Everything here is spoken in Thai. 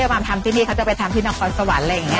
เขาไปทำนี่เขาจะไปทำที่น้องคอร์สวรรค์